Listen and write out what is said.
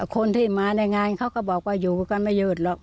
คนที่มาในงานเขาก็บอกว่าอยู่กันไม่หยุดหรอก